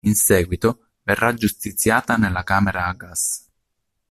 In seguito, verrà giustiziata nella camera a gas.